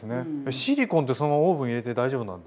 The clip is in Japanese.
シリコンってそのままオーブン入れて大丈夫なんですね？